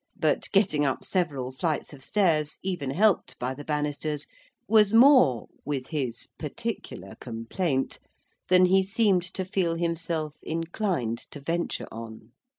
But getting up several flights of stairs, even helped by the bannisters, was more, with his particular complaint, than he seemed to feel himself inclined to venture on.